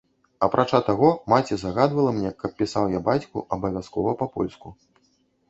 Апрача таго, маці загадвала мне, каб пісаў я бацьку абавязкова па-польску.